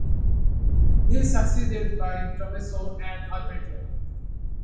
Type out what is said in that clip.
He is succeeded by Tommaso and Alberto.